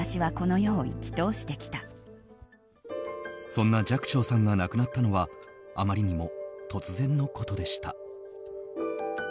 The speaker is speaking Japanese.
そんな寂聴さんが亡くなったのはあまりにも突然のことでした。